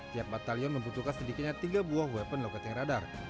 tiap batalion membutuhkan sedikitnya tiga buah weapon locating radar